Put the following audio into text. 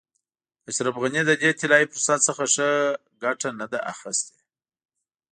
اشرف غني د دې طلایي فرصت څخه ښه ګټه نه ده اخیستې.